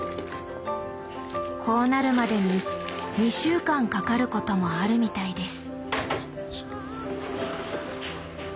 こうなるまでに２週間かかることもあるみたいです。